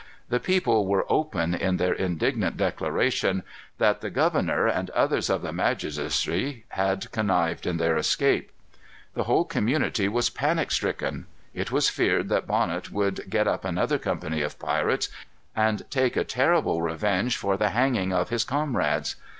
The people were open in their indignant declaration that the governor, and others of the magistracy, had connived at their escape. The whole community was panic stricken. It was feared that Bonnet would get up another company of pirates, and take a terrible revenge for the hanging of his comrades.